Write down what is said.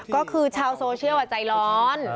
ก็คือชาวโซเชียลใจร้อน